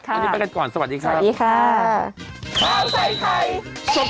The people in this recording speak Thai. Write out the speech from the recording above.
อันนี้ไปกันก่อนสวัสดีครับ